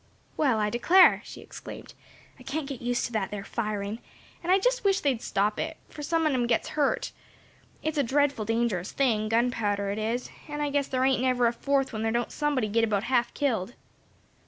"Well, I declare!" she exclaimed, "I can't git used to that there firin'; and I jest wisht they'd stop it; 'fore some on 'em gits hurt. It's a dreadful dangerous thing gunpowder is, and I guess there ain't never a Fourth when there don't somebody git about half killed."